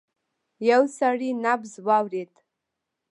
يو سړی نبض واورېد.